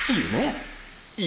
「夢」